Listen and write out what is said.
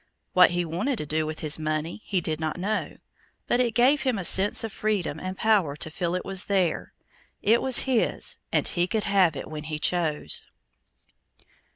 What he wanted to do with his money he did not know, but it gave to him a sense of freedom and power to feel that it was there it was his and he could have it when he chose.